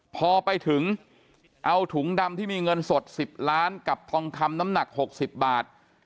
พอไปถึงเอาถุงดำที่มีเงินสด๑๐ล้านกับทองคำน้ำหนัก๖๐บาท